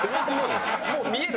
もう見える？